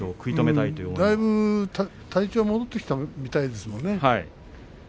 だいぶ体調は戻ってきたみたいですね。